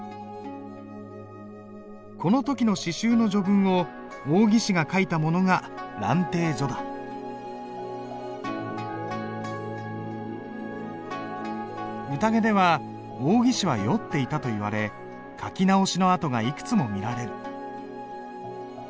この時の詩集の序文を王羲之が書いたものが宴では王羲之は酔っていたといわれ書き直しの跡がいくつも見られる。